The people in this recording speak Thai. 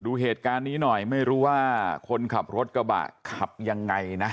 ดูเหตุการณ์นี้หน่อยไม่รู้ว่าคนขับรถกระบะขับยังไงนะ